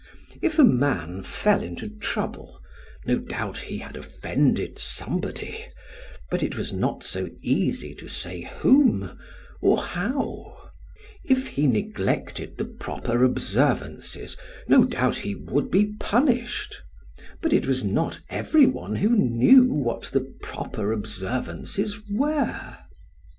If a man fell into trouble, no doubt he had offended somebody, but it was not so easy to say whom or how; if he neglected the proper observances no doubt he would be punished, but it was not everyone who knew what the proper observances were.